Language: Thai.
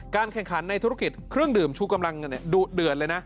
แข่งขันในธุรกิจเครื่องดื่มชูกำลังดุเดือดเลยนะ